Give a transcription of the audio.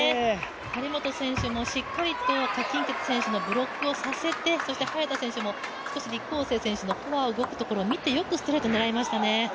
張本選手も、しっかりと何鈞傑選手のブロックをさせて、早田選手も少し李皓晴選手がフォアに動くところをよく見てよくストレート狙いましたね。